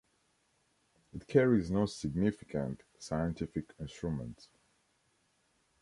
It carries no significant scientific instruments.